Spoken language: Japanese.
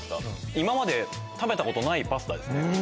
今まで食べたことないパスタです。